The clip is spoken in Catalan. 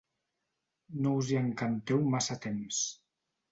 ...no us hi encanteu massa temps